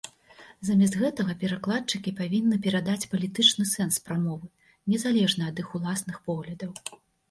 Замест гэтага перакладчыкі павінны перадаць палітычны сэнс прамовы, незалежна ад іх уласных поглядаў.